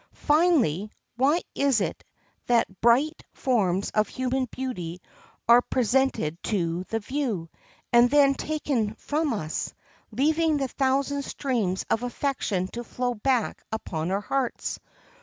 Finally, why is it that bright forms of human beauty are presented to the view, and then taken from us, leaving the thousand streams of affection to flow back upon our hearts?